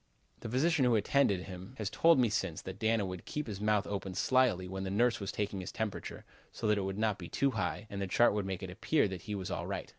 The physician who attended him has told me since that Dana would keep his mouth open slyly when the nurse was taking his temperature so that it would not be too high and the chart would make it appear that he was all right.